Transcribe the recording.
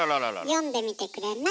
読んでみてくれない？